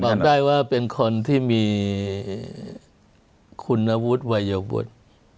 บอกได้ว่าเป็นคนที่มีคุณวุฒิวัยบุตร